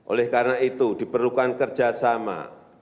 oleh karena itu diperlukan kerjasama